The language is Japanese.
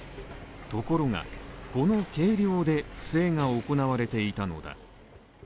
ところが、この計量で不正が行われていたのだ。